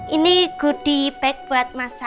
ini kudipek buat masa